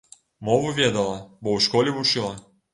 Мову ведала, бо ў школе вучыла.